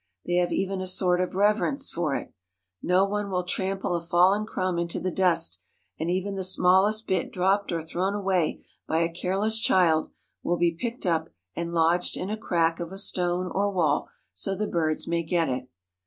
They have even a sort of reverence for it. No one will trample a fallen crumb into the dust, and even the smallest bit dropped or thrown away by a careless child will be picked up and lodged in a crack of a stone or wall so the birds may get it.